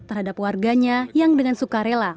terhadap warganya yang dengan suka rela